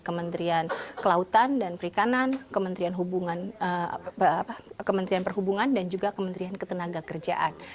kementerian kelautan dan perikanan kementerian perhubungan dan juga kementerian ketenaga kerjaan